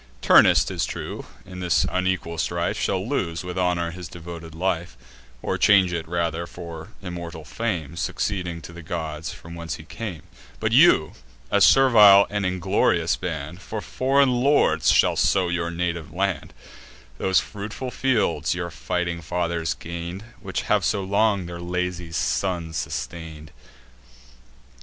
Turnus, 'tis true, in this unequal strife, Shall lose, with honour, his devoted life, Or change it rather for immortal fame, Succeeding to the gods, from whence he came: But you, a servile and inglorious band, For foreign lords shall sow your native land, Those fruitful fields your fighting fathers gain'd, Which have so long their lazy sons sustain'd."